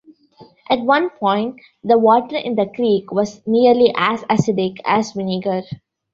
At one point, the water in the creek was nearly as acidic as vinegar.